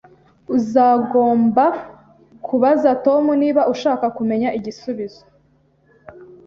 Uzagomba kubaza Tom niba ushaka kumenya igisubizo